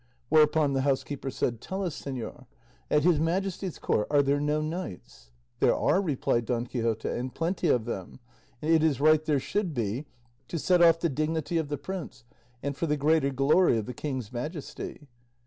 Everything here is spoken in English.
Whereupon the housekeeper said, "Tell us, señor, at his Majesty's court are there no knights?" "There are," replied Don Quixote, "and plenty of them; and it is right there should be, to set off the dignity of the prince, and for the greater glory of the king's majesty."